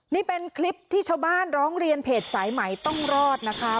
นี่เป็นคลิปที่ชาวบ้านร้องเรียนเพจสายใหม่ต้องรอดนะคะ